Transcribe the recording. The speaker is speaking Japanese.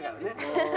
ハハハハ。